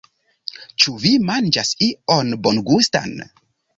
Ĉu vi manĝas ion bongustan?